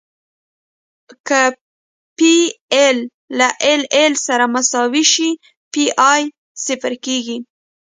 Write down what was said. که پی ایل له ایل ایل سره مساوي شي پی ای صفر کیږي